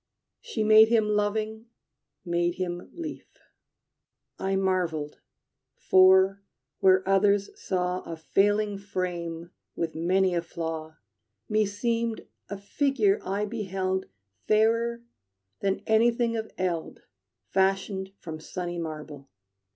She made him loving, made him lief. I marveled; for, where others saw A failing frame with many a flaw, Meseemed a figure I beheld Fairer than anything of eld Fashioned from sunny marble.